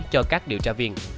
cho các điều tra viên